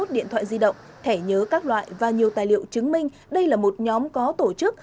hai mươi điện thoại di động thẻ nhớ các loại và nhiều tài liệu chứng minh đây là một nhóm có tổ chức